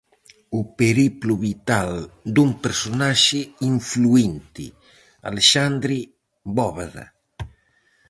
O periplo vital dun personaxe influínte, Alexandre Bóveda.